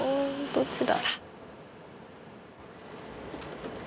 「どっちだ？」